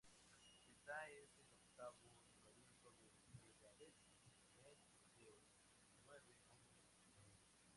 Esta es el octavo nombramiento de Megadeth en diecinueve años de carrera.